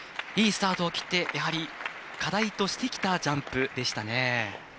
いいスタートを切って課題としてきたジャンプでしたね。